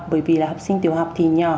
bởi vì là học sinh tiểu học thì nhỏ